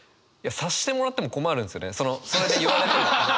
察してもらっても困るんですよね。